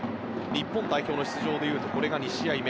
日本代表の出場でいうとこれが２試合目。